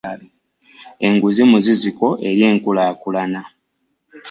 Enguzi muziziko eri enkulaakulana.